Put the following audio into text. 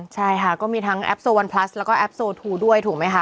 ใช่ค่ะก็มีทั้งแอปโซวันพลัสแล้วก็แอปโซทูด้วยถูกไหมคะ